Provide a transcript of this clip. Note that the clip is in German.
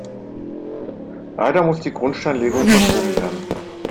Leider muss die Grundsteinlegung verschoben werden.